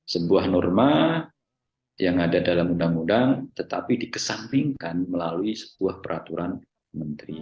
sebuah norma yang ada dalam undang undang tetapi dikesampingkan melalui sebuah peraturan menteri